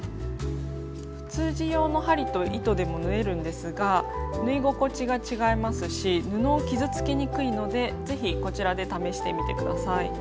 普通地用の針と糸でも縫えるんですが縫い心地が違いますし布を傷つけにくいので是非こちらで試してみて下さい。